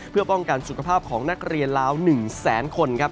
เพื่อป้องกันสุขภาพของนักเรียนลาว๑แสนคนครับ